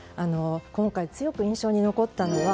今回強く印象に残ったのは